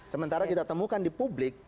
sementara kita temukan di publik